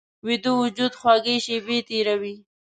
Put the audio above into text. ویده وجود خوږې شیبې تېروي